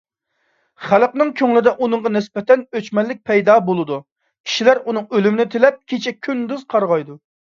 خەلقنىڭ كۆڭلىدە ئۇنىڭغا نىسبەتەن ئۆچمەنلىك پەيدا بولىدۇ. كىشىلەر ئۇنىڭ ئۆلۈمىنى تىلەپ كېچە - كۈندۈز قارغايدۇ.